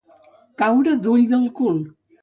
Caure d'ull del cul.